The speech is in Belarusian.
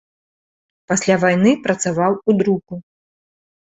Пасля вайны працаваў у друку.